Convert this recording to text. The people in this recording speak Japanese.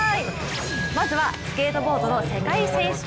まずはスケートボードの世界選手権。